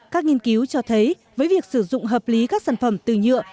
các nghiên cứu cho thấy với việc sử dụng hợp lý các sản phẩm từ nhựa